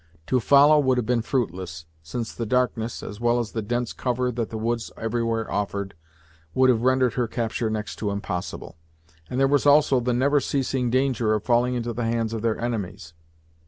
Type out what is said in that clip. To follow would have been fruitless, since the darkness, as well as the dense cover that the woods everywhere offered, would have rendered her capture next to impossible, and there was also the never ceasing danger of falling into the hands of their enemies.